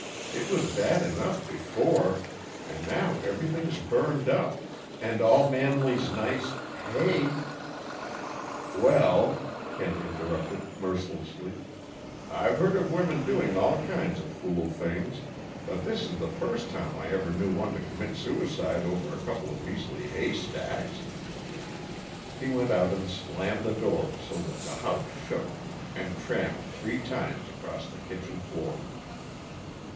It was bad enough before and now everything's burned up and all Manley's nice ha ay " "Well," Kent interrupted mercilessly, "I've heard of women doing all kinds of fool things but this is the first time I ever knew one to commit suicide over a couple of measly haystacks!" He went out and slammed the door so that the house shook, and tramped three times across the kitchen floor.